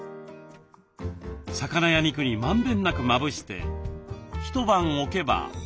魚や肉にまんべんなくまぶして一晩置けば。